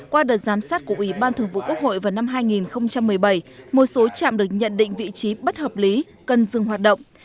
qua đợt giám sát của ủy ban thường vụ quốc hội vào năm hai nghìn một mươi bảy một số trạm được nhận định vị trí bất hợp lý cần dừng hoạt động